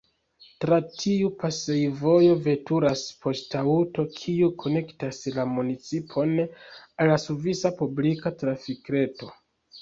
Tra tiu pasejvojo veturas poŝtaŭto, kiu konektas la municipon al la svisa publika trafikreto.